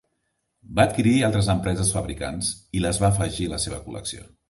Va adquirir altres empreses fabricants i les va afegir a la seva col·lecció.